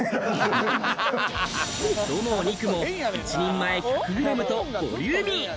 どのお肉も１人前１００ｇとボリューミー。